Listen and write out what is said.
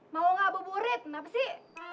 mau nabur burit kenapa sih